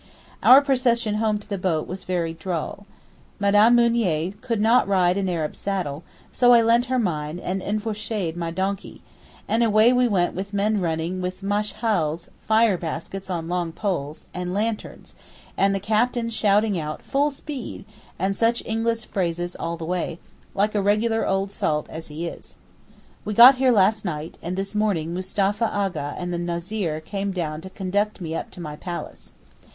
Our procession home to the boat was very droll. Mme. Mounier could not ride an Arab saddle, so I lent her mine and enfourché'd my donkey, and away we went with men running with 'meshhaals' (fire baskets on long poles) and lanterns, and the captain shouting out 'Full speed!' and such English phrases all the way—like a regular old salt as he is. We got here last night, and this morning Mustapha A'gha and the Nazir came down to conduct me up to my palace.